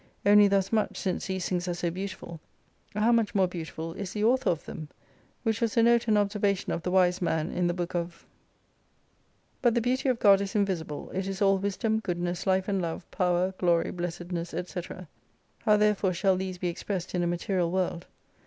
Only thus much, since these things are so beautiful, how much more beautiful is the author of them ? "Which was the note and observation of the wise man in the Book of But the beauty of God is invisible, it is all Wisdom, Goodness, Life and Love, Power, Glory, Blessedness &c. How therefore shall these be ex pressed in a material world